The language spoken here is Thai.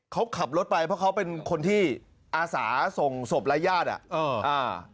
เขาขับรถไปเพราะเขาเป็นคนที่อาสาส่งศพรายญาติอ่ะเอออ่า